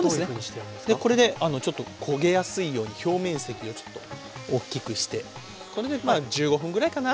これでちょっと焦げやすいように表面積をちょっとおっきくしてこれでまあ１５分ぐらいかな。